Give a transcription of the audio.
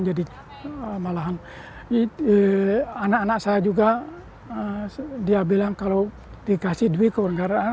jadi malahan anak anak saya juga dia bilang kalau dikasih duit kewanagaran